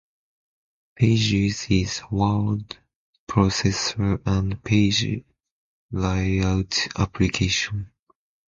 Pages is a word processor and a page layout application.